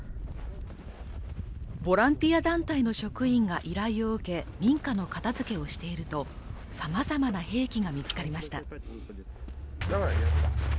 ボランティア団体の職員が依頼を受け、民家の片付けをしていると、様々な兵器が見つかりました。